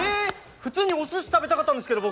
普通におすし食べたかったんですけど僕。